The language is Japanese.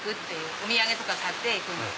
お土産とか買って行くんです。